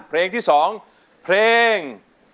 เพลงที่๒เพลง